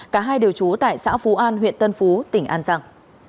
cả hai đều trú tại xã phú an huyện tân phú tỉnh an giang